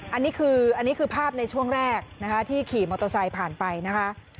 อันนี้คือภาพในช่วงแรกที่ขี่มอโตซัยผ่านไปนะคะ